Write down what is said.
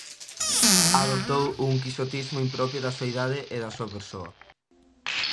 Adoptou un quixotismo impropio da súa idade e da súa persoa.